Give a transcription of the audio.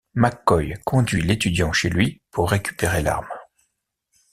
McCoy conduit l'étudiant chez lui pour récupérer l'arme.